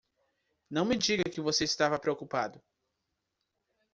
Não me diga que você estava preocupado!